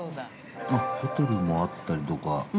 ホテルもあったりとか。